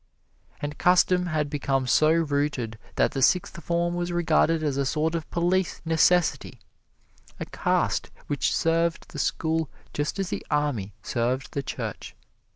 And custom had become so rooted that the Sixth Form was regarded as a sort of police necessity a caste which served the school just as the Army served the Church.